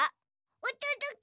おとどけ！